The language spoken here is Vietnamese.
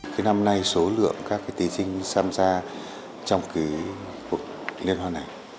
cái năm nay số lượng các tí sinh xam gia trong cuộc liên hoàn này